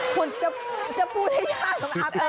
คุณจะจะพูดให้ยากละ